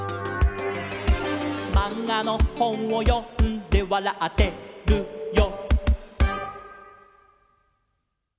「まんがのほんをよんでわらってるよ」